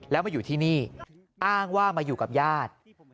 แล้วมาอยู่ที่นี่อ้างว่ามาอยู่กับญาติ